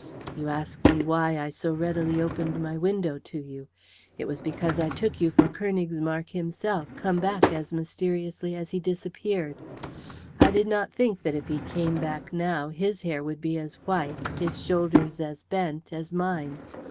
"You ask me why I so readily opened my window to you. It was because I took you for Königsmarck himself come back as mysteriously as he disappeared. I did not think that if he came back now his hair would be as white, his shoulders as bent, as mine.